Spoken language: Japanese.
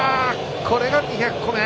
これが２００個目。